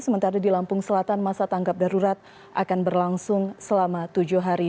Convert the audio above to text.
sementara di lampung selatan masa tanggap darurat akan berlangsung selama tujuh hari